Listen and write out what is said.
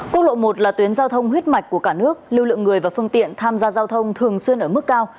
quốc lộ một là tuyến giao thông huyết mạch của cả nước lưu lượng người và phương tiện tham gia giao thông thường xuyên ở mức cao